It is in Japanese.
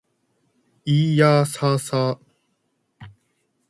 いーやーさーさ